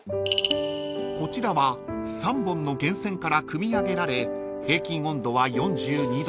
［こちらは３本の源泉からくみ上げられ平均温度は４２℃］